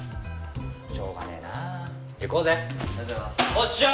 おっしゃ！